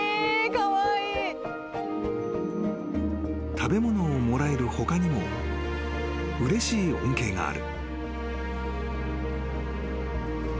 ［食べ物をもらえる他にもうれしい恩恵がある］